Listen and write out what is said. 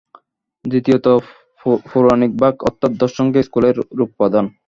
দ্বিতীয়ত পৌরাণিক ভাগ অর্থাৎ দর্শনকে স্থূল রূপপ্রদান।